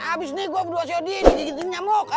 habis ini gue berdua sehari hari di gigit nyamuk